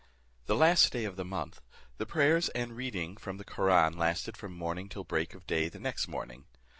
The last day of the month, the prayers and reading of the Koraun lasted from morning till break of day the next morning.